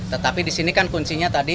tetapi disini kan kuncinya tadi